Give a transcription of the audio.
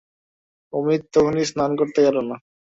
অমিত তখনই স্নান করতে গেল না।